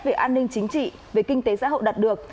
về an ninh chính trị về kinh tế xã hội đạt được